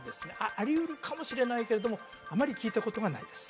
あり得るかもしれないけれどもあまり聞いたことがないです